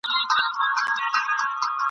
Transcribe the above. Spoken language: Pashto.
اوس دي بېغمه ګرځي ښاغلي !.